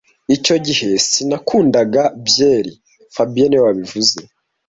Icyo gihe sinakundaga byeri fabien niwe wabivuze